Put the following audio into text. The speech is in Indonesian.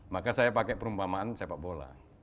maka saya pakai perumpamaan sepak bola